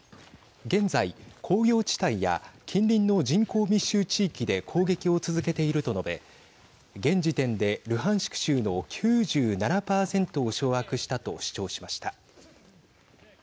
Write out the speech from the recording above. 現在、工業地帯や近隣の人口密集地域で攻撃を続けていると述べ現時点で、ルハンシク州の９７％を掌握したと主張しました。